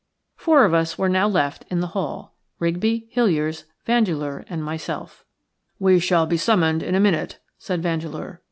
Four of us were now left in the hall – Rigby, Hiliers, Vandeleur, and myself. "We shall be summoned in a minute," said Vandeleur.